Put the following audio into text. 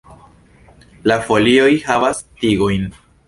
La folioj havas tigojn.